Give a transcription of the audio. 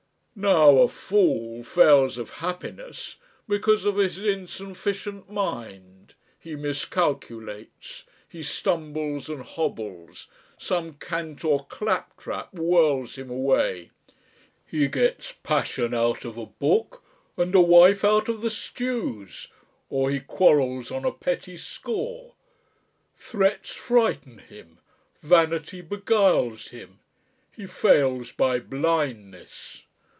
"Now a fool fails of happiness because of his insufficient mind, he miscalculates, he stumbles and hobbles, some cant or claptrap whirls him away; he gets passion out of a book and a wife out of the stews, or he quarrels on a petty score; threats frighten him, vanity beguiles him, he fails by blindness.